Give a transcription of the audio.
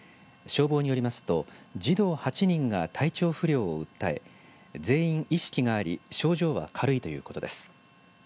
消防によりますと児童８人が体調不良を訴え全員意識があり症状は軽いということです。